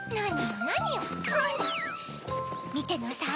みてなさい。